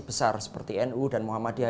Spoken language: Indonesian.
besar seperti nu dan muhammadiyah